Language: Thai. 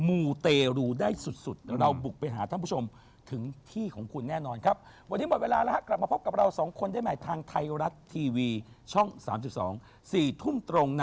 ไม่เชื่ออย่าลบหลุม